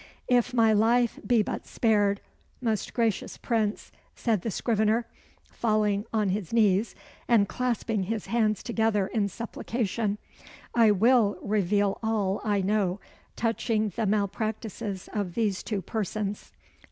"If my life be but spared, most gracious Prince," said the scrivener, falling on his knees, and clasping his hands together in supplication, "I will reveal all I know touching the malpractices of these two persons."